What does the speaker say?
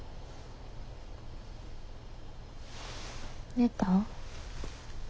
寝た？